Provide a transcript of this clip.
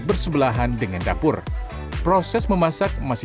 kalau biasa di situ tempe garis